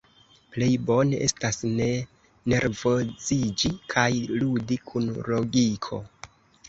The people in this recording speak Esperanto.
Plej bone estas ne nervoziĝi kaj ludi kun logiko.